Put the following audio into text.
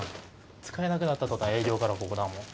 使えなくなった途端営業からここだもん。